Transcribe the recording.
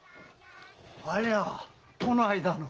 ありゃあこの間の。